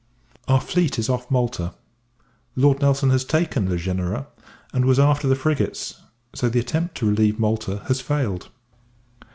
Our fleet is off Malta: Lord Nelson has taken Le Genereux, and was after the frigates; so the attempt to relieve Malta has failed.